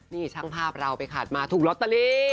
นี่ช่างภาพเราไปขาดมาถูกลอตเตอรี่